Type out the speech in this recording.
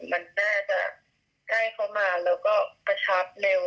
มันน่าจะใกล้เข้ามาแล้วก็กระชับเร็ว